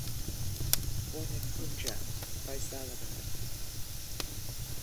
Born in Punjab(Faisalabad).